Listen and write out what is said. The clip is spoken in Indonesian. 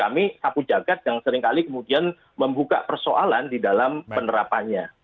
kami sapu jagat yang seringkali kemudian membuka persoalan di dalam penerapannya